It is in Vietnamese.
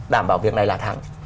đảm bảo việc này là thắng